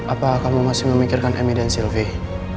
apa kamu masih memikirkan emi dan sylvie